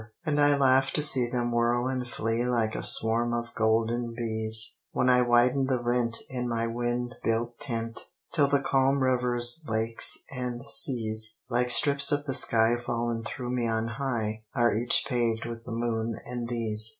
And I laugh to see them whirl and flee Like a swarm of golden bees, When I widen the rent in my wind built tent, Till the calm rivers, lakes, and seas, Like strips of the sky fallen through me on high, Are each paved with the moon and these.